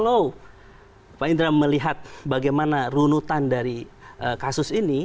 kalau pak indra melihat bagaimana runutan dari kasus ini